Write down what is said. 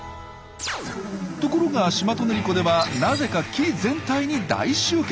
ところがシマトネリコではなぜか木全体に大集結。